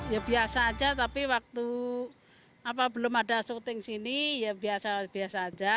ya biasa aja tapi waktu belum ada syuting sini ya biasa biasa aja